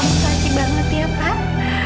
makasih banget ya pak